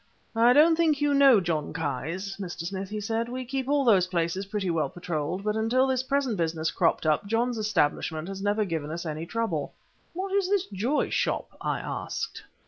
"I don't think you know John Ki's, Mr. Smith," he said. "We keep all those places pretty well patrolled, and until this present business cropped up, John's establishment had never given us any trouble." "What is this Joy Shop?" I asked.